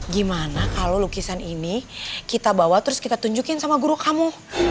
gimana kalau lukisan ini kita bawa terus kita tunjukin sama guru kamu